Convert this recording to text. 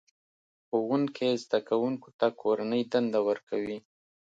ښوونکی زده کوونکو ته کورنۍ دنده ورکوي